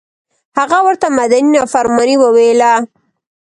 هغه ورته مدني نافرماني وویله.